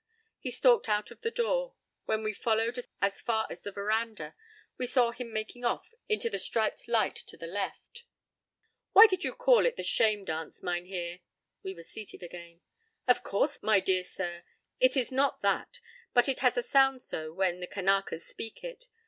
p> He stalked out of the door. When we followed as far as the veranda we saw him making off into the striped light to the left.— "Why did you call it the 'Shame Dance,' Mynheer?" We were seated again. "Of course, my dear sir, it is not that, but it has a sound so when the Kanakas speak it.